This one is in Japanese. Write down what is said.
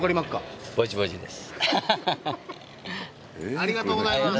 ありがとうございます。